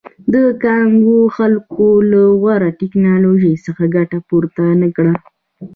د کانګو خلکو له غوره ټکنالوژۍ څخه ګټه پورته نه کړه.